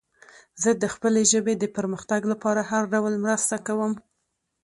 زه د خپلې ژبې د پرمختګ لپاره هر ډول مرسته کوم.